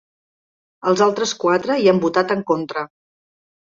Els altres quatre hi han votat en contra.